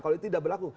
kalau itu tidak berlaku